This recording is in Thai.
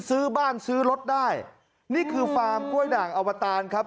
ซื้อบ้านซื้อรถได้นี่คือฟาร์มกล้วยด่างอวตารครับ